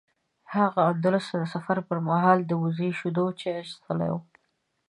هغه اندلس ته د سفر پر مهال د وزې شیدو چای څښلي و.